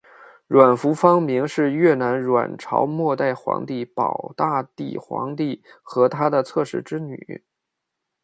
阮福芳明是越南阮朝末代皇帝保大帝皇帝和他的侧室之女。